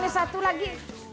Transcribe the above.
ini satu lagi